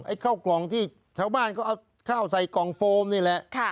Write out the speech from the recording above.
ข้าวกล่องที่ชาวบ้านเขาเอาข้าวใส่กล่องโฟมนี่แหละ